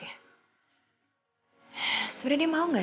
saya serba salah sekarang